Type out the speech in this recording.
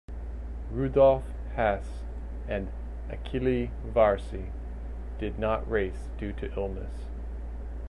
Rudolf Hasse and Achille Varzi did not race due to illness.